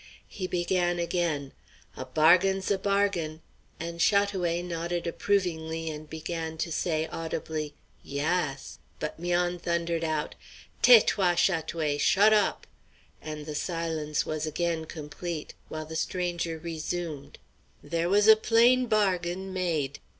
He began again: "A bargain's a bargain!" And Chat oué nodded approvingly and began to say audibly, "Yass;" but 'Mian thundered out: "Taise toi, Chat oué! Shot op!" And the silence was again complete, while the stranger resumed. "There was a plain bargain made."